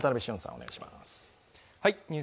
お願いします。